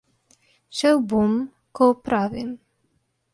Šel bom, ko opravim.